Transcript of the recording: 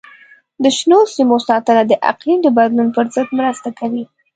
د شنو سیمو ساتنه د اقلیم د بدلون پر ضد مرسته کوي.